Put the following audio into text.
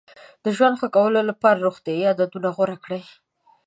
د ژوند ښه کولو لپاره روغتیایي عادتونه غوره کړئ.